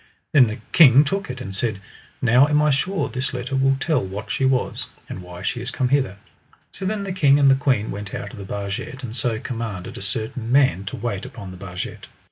Then the king took it and said: Now am I sure this letter will tell what she was, and why she is come hither. So then the king and the queen went out of the barget, and so commanded a certain man to wait upon the barget.